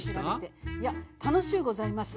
いや楽しゅうございました。